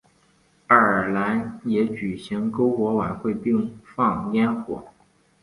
爱尔兰也会举行篝火晚会并放焰火。